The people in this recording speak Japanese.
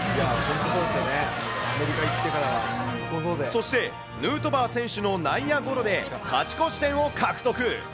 そして、ヌートバー選手の内野ゴロで勝ち越し点を獲得。